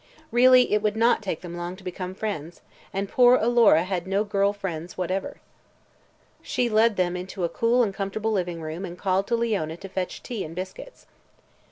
Really, it would not take them long to become friends, and poor Alora had no girl friends whatever. She led them into a cool and comfortable living room and called to Leona to fetch tea and biscuits.